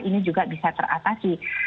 ini juga bisa teratasi